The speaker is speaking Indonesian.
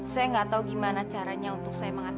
saya gak tau gimana caranya untuk saya mengatasi